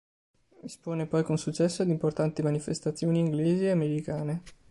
Espone poi con successo ad importanti manifestazioni inglesi e americane.